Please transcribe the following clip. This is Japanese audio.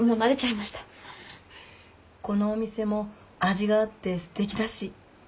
このお店も味があってすてきだし。